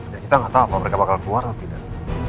ya kita nggak tahu apakah mereka bakal keluar atau tidak